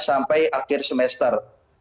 sampai akhir semester